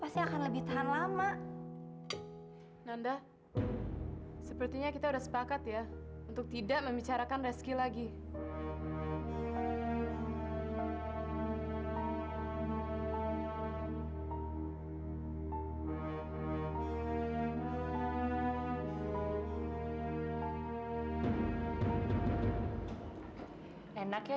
sampai jumpa di video selanjutnya